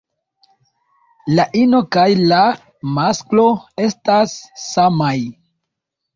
La ino kaj la masklo estas samaj.